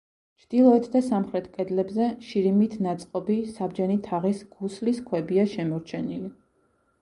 ჩრდილოეთ და სამხრეთ კედლებზე შირიმით ნაწყობი საბჯენი თაღის ქუსლის ქვებია შემორჩენილი.